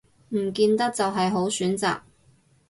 唔見得就係好選擇